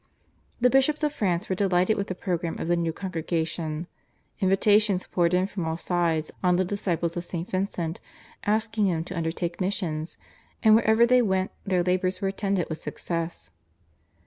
The bishops of France were delighted with the programme of the new congregation. Invitations poured in from all sides on the disciples of St. Vincent asking them to undertake missions, and wherever they went their labours were attended with success.